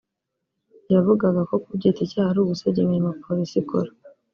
yavugaga ko kubyita icyaha ari ugusebya imirimo Polisi ikora